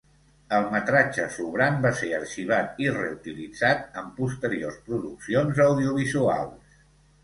El metratge sobrant va ser arxivat i reutilitzat en posteriors produccions audiovisuals.